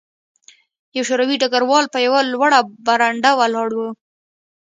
یو شوروي ډګروال په یوه لوړه برنډه ولاړ و